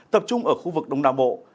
tập trung ở khu vực đông nam bộ